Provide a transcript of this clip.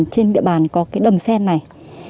trên địa bàn có cái đầm sen này